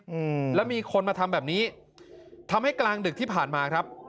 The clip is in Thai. อืมแล้วมีคนมาทำแบบนี้ทำให้กลางดึกที่ผ่านมาครับ